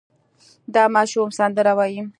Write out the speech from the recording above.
دا ماشوم سندره وايي.